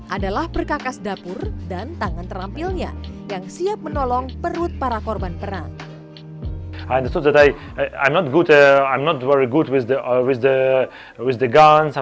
adalah perkakas dapur dan tangan terampilnya yang siap menolong perut para korban perang